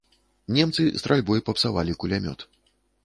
Немцы стральбой папсавалі кулямёт.